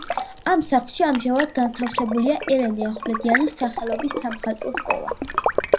ამ სახლში ამჟამად განთავსებულია ელენე ახვლედიანის სახელობის სამხატვრო სკოლა.